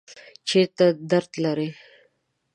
چیرته درد لرئ؟